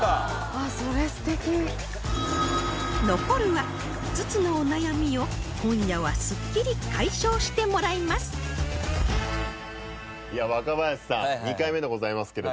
残る５つのお悩みを今夜はすっきり解消してもらいます